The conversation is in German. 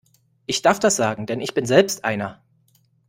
Ich darf das sagen, denn ich bin selbst einer!